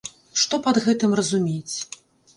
Што пад гэтым разумець?